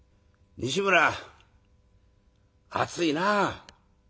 「西村寒いなあ」。